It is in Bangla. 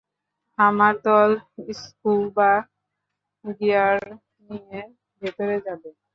আমার দল স্কুবা গিয়ার নিয়ে ভেতরে যাবে।